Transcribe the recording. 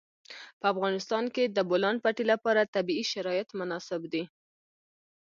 په افغانستان کې د د بولان پټي لپاره طبیعي شرایط مناسب دي.